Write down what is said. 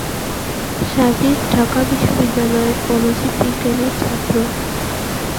সাজিদ ঢাকা বিশ্ববিদ্যালয়ের অণুজীব বিজ্ঞানের ছাত্র।